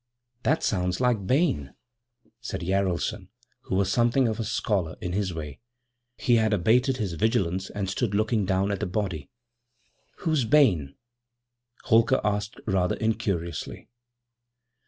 'That sounds like Bayne,' said Jaralson, who was something of a scholar in his way. He had abated his vigilance and stood looking down at the body. 'Who's Bayne?' Holker asked rather incuriously.